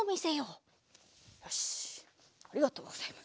よしありがとうございます。